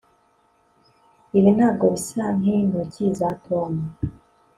ibi ntabwo bisa nkintoki za tom